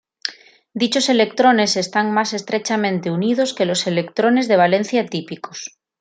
Dichos electrones están más estrechamente unidos que los electrones de valencia típicos.